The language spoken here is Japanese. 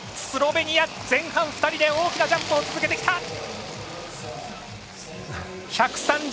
スロベニア、前半２人で大きなジャンプを続けてきた。